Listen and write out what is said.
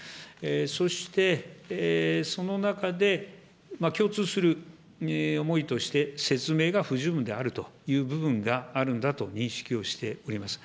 そしてその中で共通する思いとして、説明が不十分であるという部分があるんだと認識をしております。